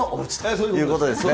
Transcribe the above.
そういうことですね。